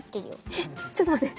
えっちょっと待って！